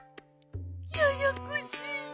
ややこしい。